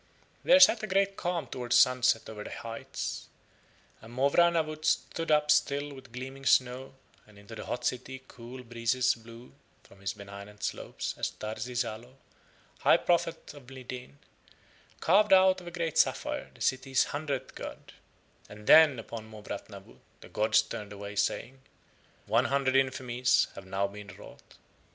There set a great calm towards sunset over the heights, and Mowrah Nawut stood up still with gleaming snow, and into the hot city cool breezes blew from his benignant slopes as Tarsi Zalo, high prophet of Mlideen, carved out of a great sapphire the city's hundredth god, and then upon Mowrah Nawut the gods turned away saying: "One hundred infamies have now been wrought."